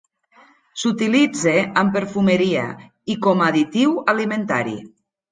S'utilitza en perfumeria i com a additiu alimentari.